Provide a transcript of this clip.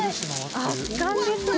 圧巻ですね！